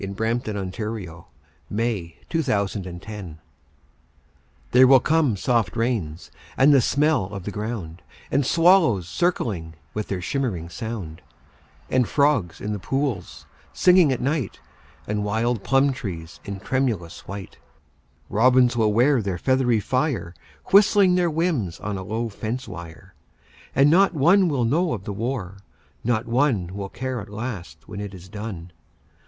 VIII "There Will Come Soft Rains" (War Time) There will come soft rains and the smell of the ground, And swallows circling with their shimmering sound; And frogs in the pools singing at night, And wild plum trees in tremulous white; Robins will wear their feathery fire Whistling their whims on a low fence wire; And not one will know of the war, not one Will care at last when it is done.